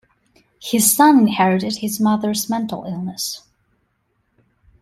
His son inherited his mother's mental illness.